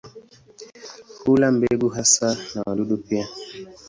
Hula mbegu hasa na wadudu pia.